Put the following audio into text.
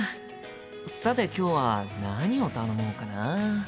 さて今日は何を頼もうかな？